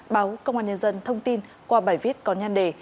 báo công an nhân dân thông tin qua bài viết có nhan đề